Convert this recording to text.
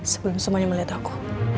sebelum semuanya melihat aku